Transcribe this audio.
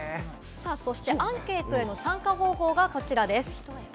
アンケートへの参加方法がこちらです。